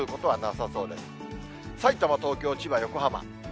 さいたま、東京、千葉、横浜。